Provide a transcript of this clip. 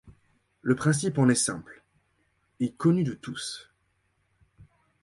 Le principe en est simple et connu de tous.